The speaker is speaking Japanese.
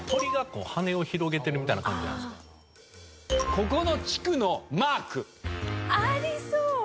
ここの地区のマーク。ありそう！